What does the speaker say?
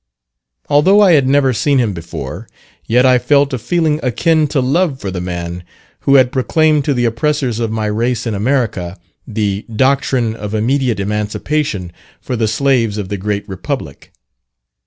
Although I had never seen him before, yet I felt a feeling akin to love for the man who had proclaimed to the oppressors of my race in America, the doctrine of immediate emancipation for the slaves of the great Republic.